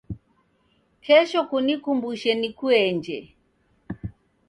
Kesho kunikumbushe nikuenje